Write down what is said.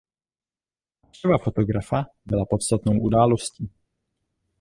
Návštěva fotografa byla podstatnou událostí.